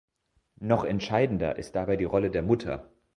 Noch entscheidender ist dabei die Rolle der Mutter.